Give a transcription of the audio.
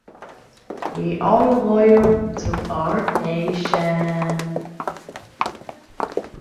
We are loyal to our Nation.